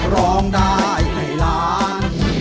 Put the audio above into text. ร้องได้ให้ล้าน